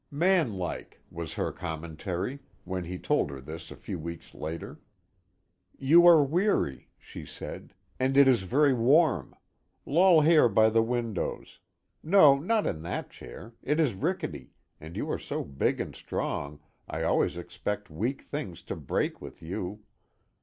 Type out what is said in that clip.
"Man like," was her commentary, when he told her this a few weeks later. "You are weary," she said, "and it is very warm. Loll here by the windows. No, not in that chair, it is rickety, and you are so big and strong I always expect weak things to break with you.